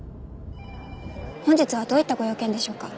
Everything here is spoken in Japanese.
本日はどういったご用件でしょうか？